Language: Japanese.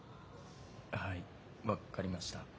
はい分かりました。